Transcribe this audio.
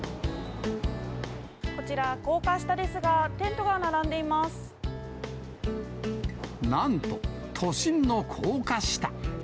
こちら、高架下ですが、なんと、都心の高架下。